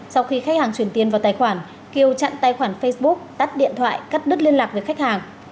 sau khi khách hàng chuyển tiền vào tài khoản kiều chặn tài khoản facebook tắt điện thoại cắt đứt liên lạc với khách hàng